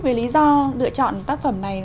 với lý do lựa chọn tác phẩm này